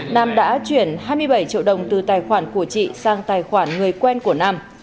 nam đã chuyển hai mươi bảy triệu đồng từ tài khoản của chị sang tài khoản người quen của nam